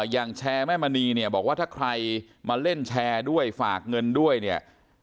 อย่างแชร์แม่มณีเนี่ยบอกว่าถ้าใครมาเล่นแชร์ด้วยฝากเงินด้วยเนี่ย